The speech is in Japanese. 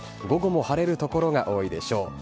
午後も晴れる所が多いでしょう。